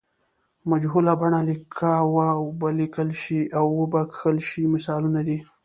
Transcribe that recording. مجهوله بڼه لکه و به لیکل شي او و به کښل شي مثالونه دي.